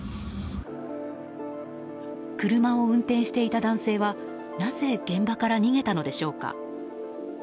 車を運転していた男性はなぜ現場から逃げたのでしょうか。